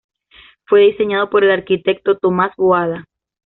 Fue diseñado por el arquitecto Thomas Boada..